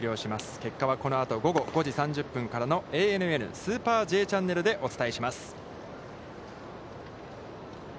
結果はこのあと、午後５時３０分からのＡＮＮスーパーＪチャンネルでお送りします。